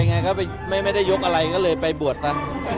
พิเกษทำอะไรไงไม่ได้ยกอะไรก็เลยไปบวชละ